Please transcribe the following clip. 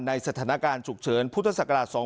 ในสถานการณ์ฉุกเฉินพศ๒๕๔๘